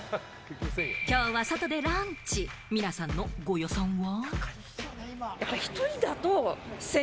きょうは外でランチ、皆さんのご予算は？